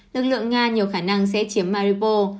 lực lượng nga nhiều khả năng sẽ chiếm maripos